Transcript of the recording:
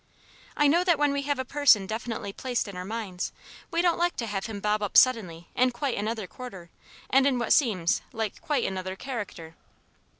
I know that when we have a person definitely placed in our minds, we don't like to have him bob up suddenly in quite another quarter and in what seems like quite another character."